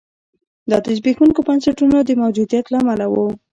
دا د زبېښونکو بنسټونو د موجودیت له امله و.